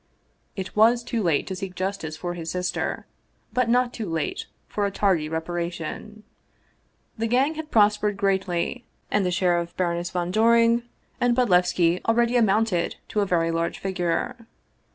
It was too late to seek justice for his sister, but not too late for a tardy reparation. The gang had prospered greatly, and the share of Baroness von Doring and Bodlev ski already amounted to a very large figure.